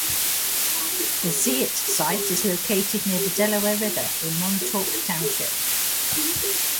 The Zierdt site is located near the Delaware River in Montaque Township.